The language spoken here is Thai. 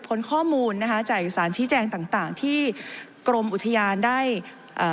ข้อมูลนะคะจากเอกสารชี้แจงต่างต่างที่กรมอุทยานได้เอ่อ